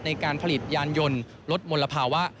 ในการผลิตยานยนต์ลดมลภาวะ